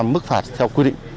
năm mươi mức phạt theo quy định